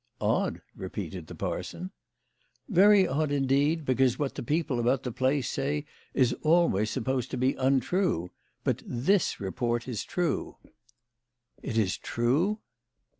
" Odd! " repeated the parson. "Yery odd indeed, because what the people about the place say is always supposed to be untrue. But this report is true." "It is true?"